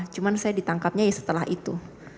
cuma saya ditangkapnya ya setelah itu